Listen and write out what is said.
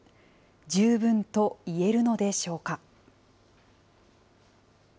十分といえるのでしょうか。